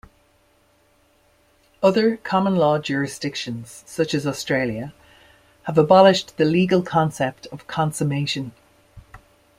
Other common law jurisdictions, such as Australia, have abolished the legal concept of consummation.